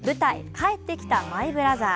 「帰ってきたマイ・ブラザー」。